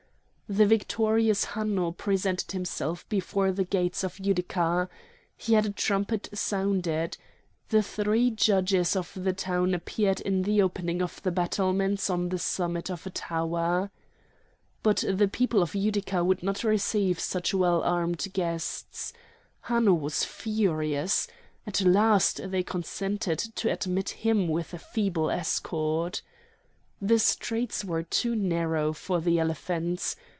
The victorious Hanno presented himself before the gates of Utica. He had a trumpet sounded. The three Judges of the town appeared in the opening of the battlements on the summit of a tower. But the people of Utica would not receive such well armed guests. Hanno was furious. At last they consented to admit him with a feeble escort. The streets were too narrow for the elephants.